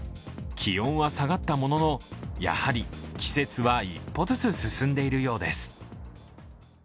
気温は下がったものの、やはり季節は一歩ずつ進んでいるようです。